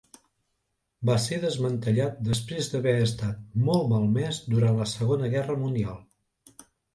Va ser desmantellat després d'haver estat molt malmès durant la Segona Guerra Mundial.